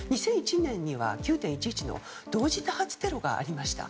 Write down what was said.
２００１年には９・１１の同時多発テロがありました。